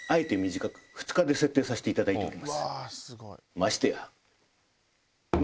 ましてや。